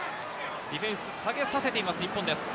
ディフェンスを下げさせています、日本です。